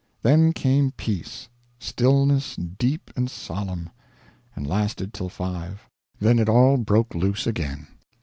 Then came peace stillness deep and solemn and lasted till five. Then it all broke loose again.